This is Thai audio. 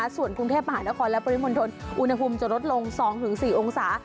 ส่วนกรุงเทพมหานครและปริมณฑลอุณหภูมิจะลดลง๒๔องศา